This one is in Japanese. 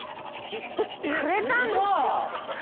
言ってくれたんですよ。